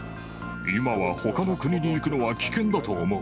今はほかの国に行くのは危険だと思う。